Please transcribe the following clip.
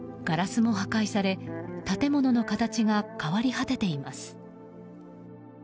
ガラスも破壊され建物の形が変わり果てています。